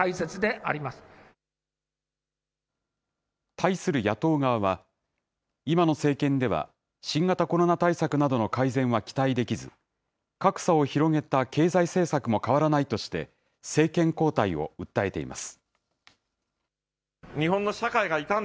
対する野党側は、今の政権では、新型コロナ対策などの改善は期待できず、格差を広げた経済政策も変わらないとして、政権交代を訴えています。